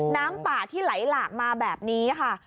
น้ำป่าที่ไหลหลากมาแบบนี้ค่ะ